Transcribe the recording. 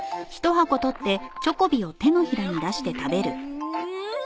うん！